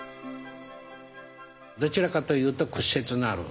どちらかというと屈折のある。